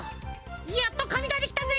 やっとかみができたぜ。